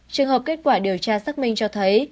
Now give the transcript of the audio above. trường hợp kết quả điều tra xác minh cho thấy